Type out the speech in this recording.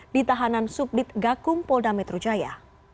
di tahanan subdit gakum polda metro jaya